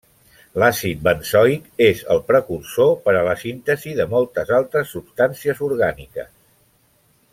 L'àcid benzoic és el precursor per a la síntesi de moltes altres substàncies orgàniques.